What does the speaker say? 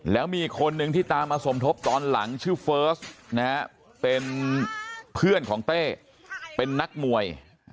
แล้วมีอีกคนนึงที่ตามมาสมทบตอนหลังชื่อเฟิร์สนะฮะเป็นเพื่อนของเต้เป็นนักมวย